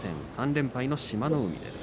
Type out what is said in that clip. ３連敗の志摩ノ海です。